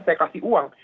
saya kasih uang